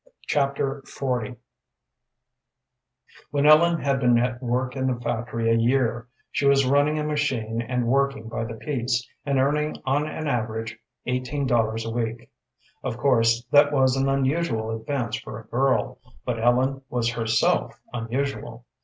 Chapter XL When Ellen had been at work in the factory a year, she was running a machine and working by the piece, and earning on an average eighteen dollars a week. Of course that was an unusual advance for a girl, but Ellen was herself unusual.